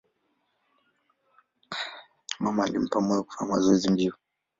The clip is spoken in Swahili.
Mama alimpa moyo kufanya mazoezi ya mbio.